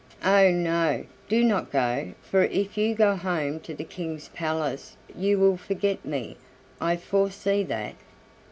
"Oh! no, do not go, for if you go home to the King's palace you will forget me, I foresee that."